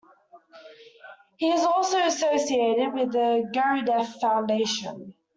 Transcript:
He is also associated with the Gurdjieff Foundation.